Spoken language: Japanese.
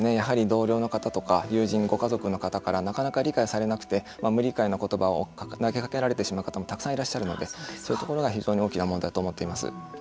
やはり同僚の方とか友人、ご家族の方からなかなか理解されなくて無理解のことばを投げかけられる方もたくさんいらっしゃるのでそういうところが非常に大きな問題と思っています。